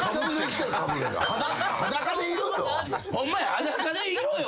裸でいろよ。